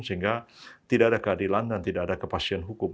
sehingga tidak ada keadilan dan tidak ada kepastian hukum